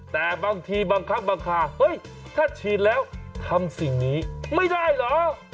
แต่บางทีบางครั้งบางคาเฮ้ยถ้าฉีดแล้วทำสิ่งนี้ไม่ได้เหรอ